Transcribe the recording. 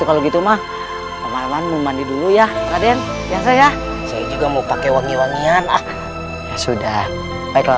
kalau gitu mau mandi dulu ya raden saya juga mau pakai wangi wangian sudah baiklah